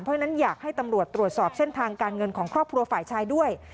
เพราะฉะนั้นอยากให้ตำรวจตรวจสอบเส้นทางการเงินของครอบครัวฝ่ายชายด้วย